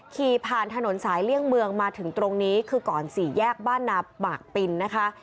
ขี่ผ่านถนนสายเลี่ยงเมืองมาถึงตรงนี้คือก่อนสี่แยกบ้านนาปากปินนะคะ